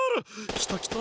きたきた！